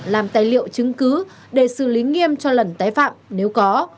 làm tài liệu chứng cứ để xử lý nghiêm cho lần tái phạm nếu có